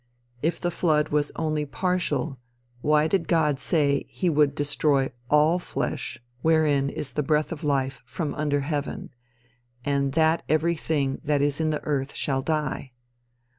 If the flood was only partial, why did God say he would "destroy all flesh wherein is the breath of life from under heaven, and that every thing that is in the earth shall die?"